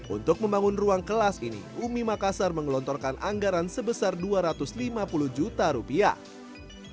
untuk membangun ruang kelas ini umi makassar menggelontorkan anggaran sebesar dua ratus lima puluh juta rupiah